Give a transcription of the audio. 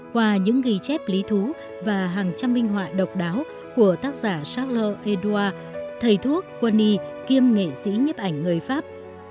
qua những ghi chép lý thú và hàng trăm minh họa độc đáo của tác giả shackler eduar thầy thuốc quân y kiêm nghệ sĩ nhấp ảnh người pháp